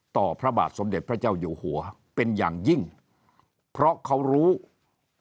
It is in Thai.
พระบาทสมเด็จพระเจ้าอยู่หัวเป็นอย่างยิ่งเพราะเขารู้ว่า